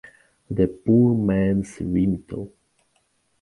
The poor man's Vimto.